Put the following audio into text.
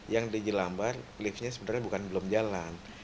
yang di jelambar liftnya sebenarnya bukan belum jalan